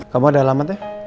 kamu ada alamatnya